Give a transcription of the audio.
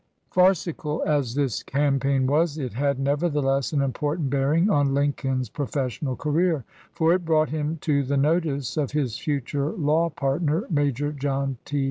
1 Farcical as this campaign was, it had, never theless, an important bearing on Lincoln's pro fessional career ; for it brought him to the notice of his future law partner, Ma j or John T.